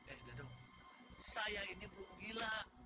eh dado saya ini belum gila